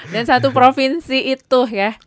dan satu provinsi itu ya